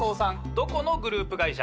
どこのグループ会社？